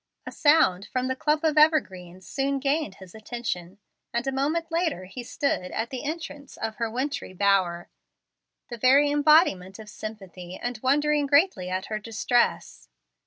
A sound from the clump of evergreens soon gained his attention, and a moment later he stood at the entrance of her wintry bower, the very embodiment of sympathy, and wondering greatly at her distress.